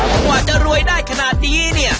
กว่าจะรวยได้ขนาดนี้เนี่ย